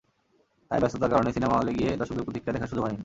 তাই ব্যস্ততার কারণে সিনেমা হলে গিয়ে দর্শকদের প্রতিক্রিয়া দেখার সুযোগ হয়নি।